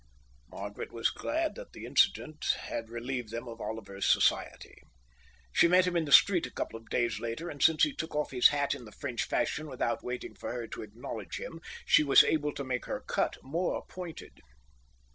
Margaret was glad that the incident had relieved them of Oliver's society. She met him in the street a couple of days later, and since he took off his hat in the French fashion without waiting for her to acknowledge him, she was able to make her cut more pointed.